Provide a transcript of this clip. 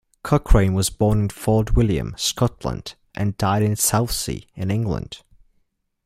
Cochrane was born in Fort William, Scotland and died in Southsea in England.